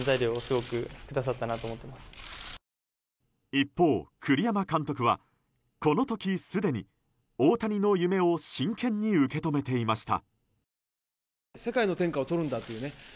一方、栗山監督はこの時すでに大谷の夢を真剣に受け止めていました。